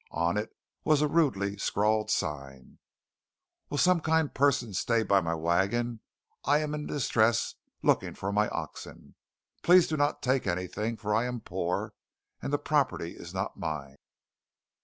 On it was a rudely scrawled sign: "_Will some kind person stay by my wagon. I am in distress looking for my oxen. Please do not take anything, for I am poor, and the property is not mine.